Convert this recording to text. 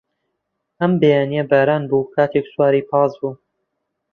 ئەم بەیانییە باران بوو کاتێک سواری پاس بووم.